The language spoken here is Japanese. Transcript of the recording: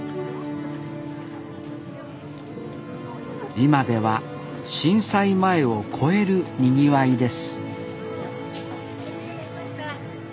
今では震災前を超えるにぎわいです